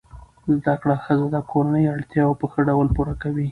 زده کړه ښځه د کورنۍ اړتیاوې په ښه ډول پوره کوي.